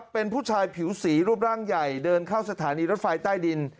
เป็นผู้ชายผิวสีรูปร่างใหญ่เดินเข้าสถานีรถไฟใต้ดิน